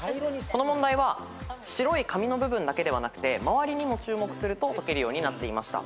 この問題は白い紙の部分だけではなくて周りにも注目すると解けるようになっていました。